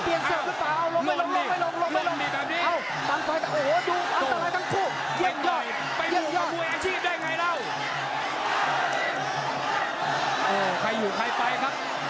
ตั้งปล่อยตั้งแรกตั้งปล่อยตั้งโดน